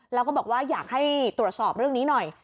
แล้วก็บอกว่าอยากให้ตรวจสอบเรื่องนี้หน่อย